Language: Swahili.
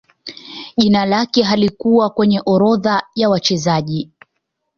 Jina lake halikuwa kwenye orodha ya wachezaji